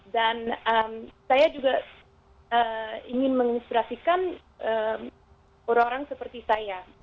dan saya juga ingin menginspirasikan orang orang seperti saya